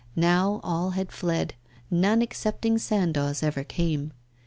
Now all had fled; none excepting Sandoz ever came.